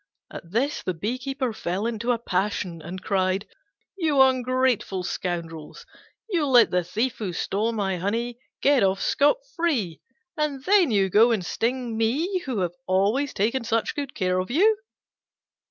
At this he fell into a passion and cried, "You ungrateful scoundrels, you let the thief who stole my honey get off scot free, and then you go and sting me who have always taken such care of you!"